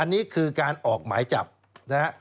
อันนี้คือการออกหมายจับนะฮะ